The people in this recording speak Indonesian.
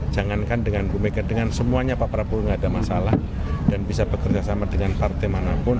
jangankan dengan bu mega dengan semuanya pak prabowo tidak ada masalah dan bisa bekerja sama dengan partai manapun